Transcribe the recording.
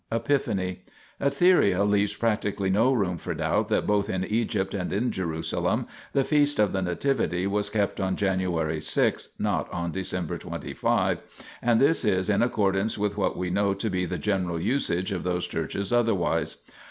Epiphany. Etheria leaves practically no room for doubt that both in Egypt and at Jerusalem the Feast of the Nativity was kept on January 6, not on December 25, and this is in accordance with what we know to be the general usage of those churches otherwise.